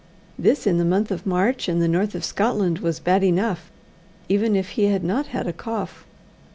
This in the month of March in the north of Scotland was bad enough, even if he had not had a cough.